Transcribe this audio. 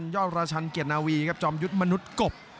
ยอดราชันเกียรตินาวีครับจอมยุทธ์มนุษย์กบ